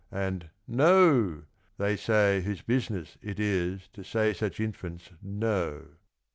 And " No" they say whose business it is To say such infants no.